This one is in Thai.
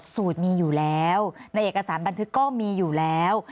สูตรมีอยู่แล้วในเอกสารบันทึกก็มีอยู่แล้ว